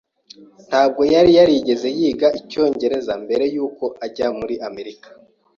Ntabwo yari yarigeze yiga icyongereza mbere yuko ajya muri Amerika.